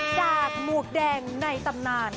จากหมวกแดงในตำนาน